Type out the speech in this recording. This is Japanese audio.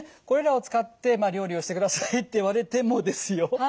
これらを使ってまあ料理をしてくださいって言われてもですよ